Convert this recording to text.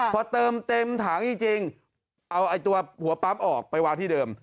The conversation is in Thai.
พอเติมเต็มถังจริงเอาตัวหัวปั๊มออกไปวางที่เดิม